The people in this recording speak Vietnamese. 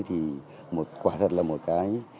thì quả thật là một cái